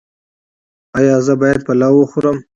ایا زه باید پلاو وخورم؟